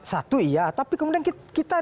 satu iya tapi kemudian kita